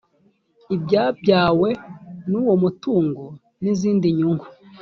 ibyabyawe n uwo mutungo n izindi nyungu